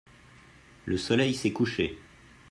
Le soleil s’est couché.